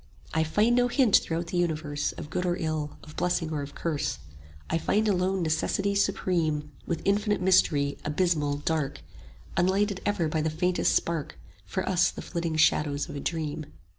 I find no hint throughout the Universe Of good or ill, of blessing or of curse; I find alone Necessity Supreme; 75 With infinite Mystery, abysmal, dark, Unlighted ever by the faintest spark For us the flitting shadows of a dream.